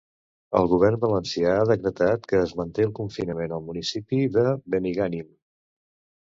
El Govern valencià ha decretat que es manté el confinament al municipi de Benigànim.